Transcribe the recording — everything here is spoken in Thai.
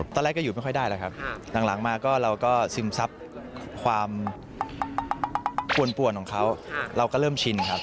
ตอนแรกก็อยู่ไม่ค่อยได้แล้วครับหลังมาก็เราก็ซึมซับความป่วนของเขาเราก็เริ่มชินครับ